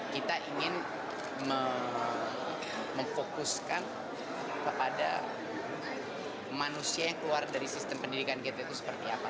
kita ingin memfokuskan kepada manusia yang keluar dari sistem pendidikan kita itu seperti apa